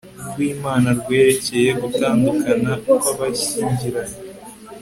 rw'imana, rwerekeye gutandukana kw'abashyingiranywe